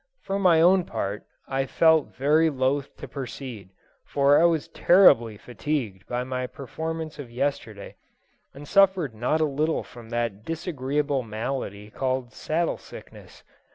For my own part, I felt very loth to proceed, for I was terribly fatigued by my performance of yesterday, and suffered not a little from that disagreeable malady called "saddle sickness."